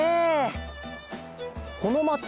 このまち